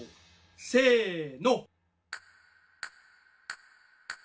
せの。